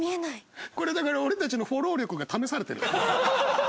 これだから俺たちのフォロー力が試されてる。